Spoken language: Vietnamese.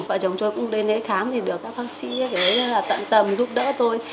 vợ chồng tôi cũng đến khám được các phát sĩ tận tầm giúp đỡ tôi